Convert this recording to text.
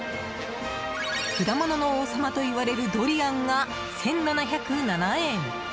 果物の王様といわれるドリアンが１７０７円。